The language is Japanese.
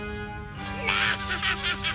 ナッハハハ！